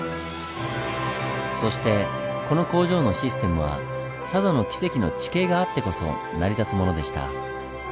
そしてこの工場のシステムは佐渡のキセキの地形があってこそ成り立つものでした。